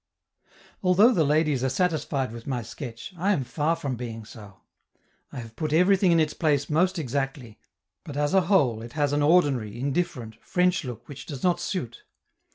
Although the ladies are satisfied with my sketch, I am far from being so. I have put everything in its place most exactly, but as a whole, it has an ordinary, indifferent, French look which does not suit.